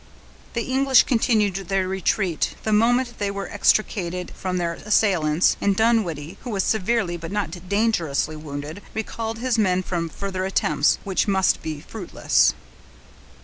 The English continued their retreat the moment they were extricated from their assailants; and Dunwoodie, who was severely, but not dangerously wounded, recalled his men from further attempts, which must be fruitless.